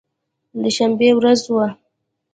د شنبې ورځ وه.